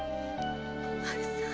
お前さん！